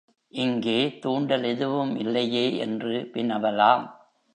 இங்கே தூண்டல் எதுவும் இல்லையே என்று வினவலாம்.